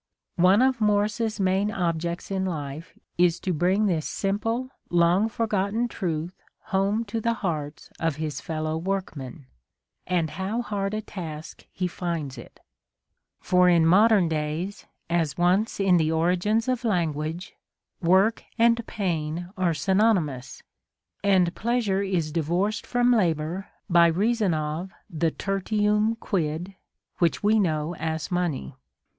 One of Morris's main objects in life is to bring this simple, long forgotten truth home to the hearts of his fellow workmen : and how hard a task he finds it ! For in modern days, as once in the origins of language, work and pain are synonymous : and pleasure is divorced from labour by reason of the tertium quid which we know as money.